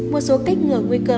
một số cách ngừa nguy cơ